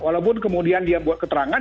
walaupun kemudian dia buat keterangan